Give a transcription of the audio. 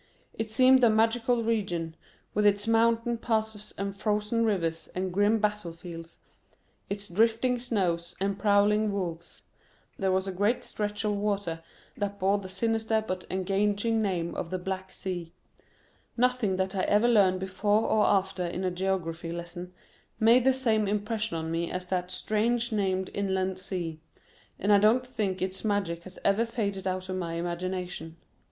It seemed a magical region, with its mountain passes and frozen rivers and grim battlefields, its drifting snows, and prowling wolves; there was a great stretch of water that bore the sinister but engaging name of the Black Sea—nothing that I ever learned before or after in a geography lesson made the same impression on me as that strange named inland sea, and I don't think its magic has ever faded out of my imagination.